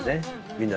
みんな。